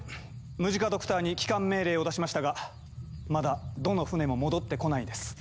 ムジカ・ドクターに帰還命令を出しましたがまだどの船も戻ってこないです。